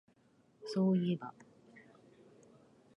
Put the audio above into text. そういえば